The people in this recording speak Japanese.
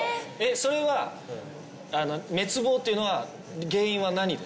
それは滅亡っていうのは原因は何で？